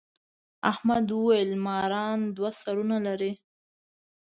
احمد وويل: ماران دوه سرونه لري.